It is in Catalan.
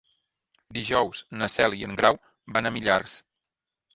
Dijous na Cel i en Grau van a Millars.